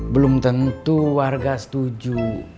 belum tentu warga setuju